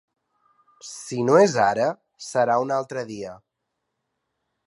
Si no és ara serà un altre dia.